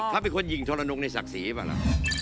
เขาเป็นคนหญิงทรนงในศักดิ์ศรีป่ะล่ะ